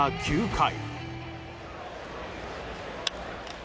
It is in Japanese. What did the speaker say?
９回。